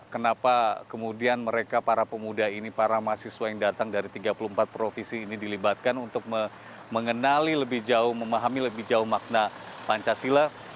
kenapa kemudian mereka para pemuda ini para mahasiswa yang datang dari tiga puluh empat provinsi ini dilibatkan untuk mengenali lebih jauh memahami lebih jauh makna pancasila